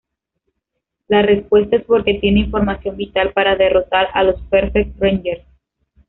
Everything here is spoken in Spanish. La respuesta es porque tiene información vital para derrotar a los Perfect Rangers.